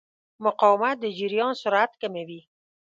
مقاومت د جریان سرعت کموي.